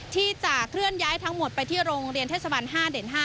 ที่จะเคลื่อนย้ายทั้งหมดไปที่โรงเรียนเทศบัน๕เด่น๕